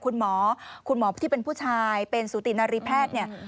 คุณหมอคุณหมอที่เป็นผู้ชายเป็นสุตินารีแพทย์เนี่ย